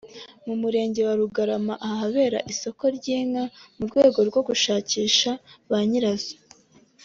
mu Murenge wa Rugarama ahabera isoko ry’inka mu rwego rwo gushakisha ba nyirazo